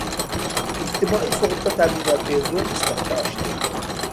ئىجتىمائىي سۇغۇرتا تەمىناتى زور نىسبەتتە ئاشتى.